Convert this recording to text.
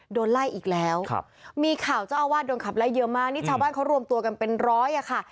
โดนไล่อีกแล้วครับมีข่าวเจ้าอาวาสโดนขับไล่เยอะมากนี่ชาวบ้านเขารวมตัวกันเป็นร้อยอะค่ะ